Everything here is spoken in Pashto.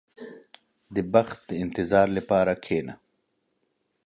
• د بخت د انتظار لپاره کښېنه.